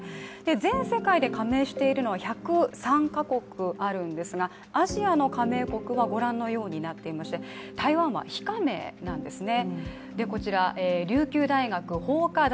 全世界で加盟しているのは１０３か国あるんですがアジアの加盟国はご覧のようになっていまして、台湾は非加盟なんですね。